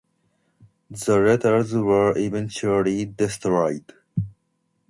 The letters were eventually destroyed.